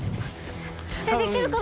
できるかな？